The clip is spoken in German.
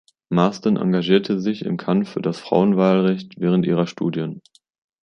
Marsden engagierte sich im Kampf für das Frauenwahlrecht während ihrer Studien.